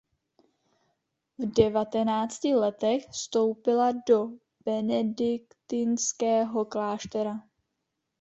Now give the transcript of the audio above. V devatenácti letech vstoupila do benediktinského kláštera.